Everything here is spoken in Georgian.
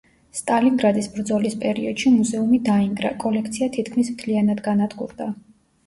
სტალინგრადის ბრძოლის პერიოდში მუზეუმი დაინგრა, კოლექცია თითქის მთლიანად განადგურდა.